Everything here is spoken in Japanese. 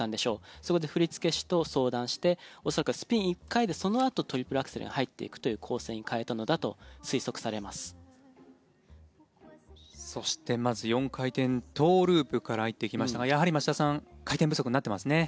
そこで振付師と相談して恐らくはスピン１回でそのあとトリプルアクセルに入っていくという構成に変えたのだとそして、まず４回転トウループから入っていきましたがやはり町田さん回転不足になってますね。